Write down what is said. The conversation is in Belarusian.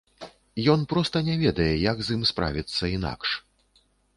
Ён проста не ведае, як з ім справіцца інакш.